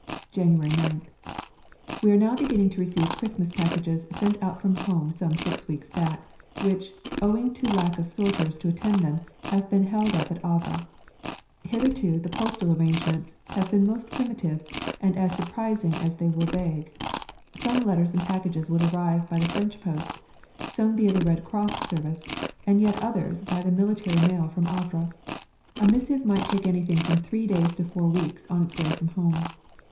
January 9th. We are now beginning to receive Christmas packages sent out from home some six weeks back, which, owing to lack of sorters to attend to them, have been held up at Havre. Hitherto, the postal arrangements have been most primitive and as surprising as they were vague. Some letters and packages would arrive by the French post, some via the Red Cross service, and yet others by the military mail from Havre. A missive might take anything from three days to four weeks on its way from home.